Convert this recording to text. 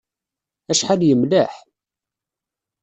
Acḥal yemleḥ!